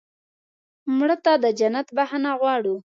مړه ته د جنت بښنه غواړو